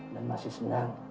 dan masih senang